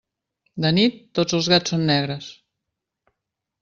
De nit, tots els gats són negres.